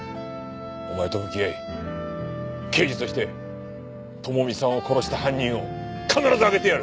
お前と向き合い刑事として智美さんを殺した犯人を必ず挙げてやる！